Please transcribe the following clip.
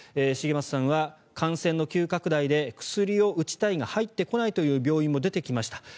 茂松さんは感染の急拡大で薬を打ちたいが入ってこないという病院も出てきました。